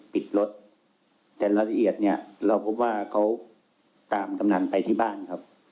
ปิดรถแต่รายละเอียดเนี่ยเราพบว่าเขาตามกำนันไปที่บ้านครับ